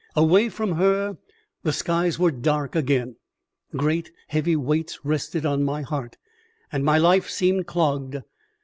Away from her the skies were dark again, great heavy weights rested on my heart, and my life seemed clogged.